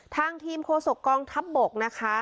ทางทีมโฆษกองทัพบกนะคะ